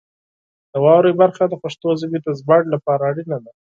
د واورئ برخه د پښتو ژبې د ژباړې لپاره اړینه ده.